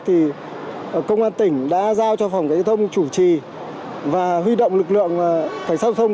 thì công an tỉnh đã giao cho phòng cảnh thông chủ trì và huy động lực lượng cảnh sát giao thông